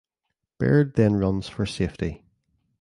Baird then runs for safety.